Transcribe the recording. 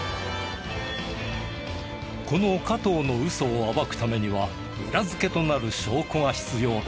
この加藤のウソを暴くためには裏付けとなる証拠が必要だ。